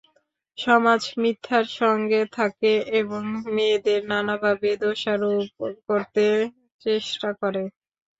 সমাজ মিথ্যার সঙ্গে থাকে এবং মেয়েদের নানাভাবে দোষারোপ করতে চেষ্টা করে।